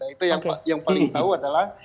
itu yang paling tahu adalah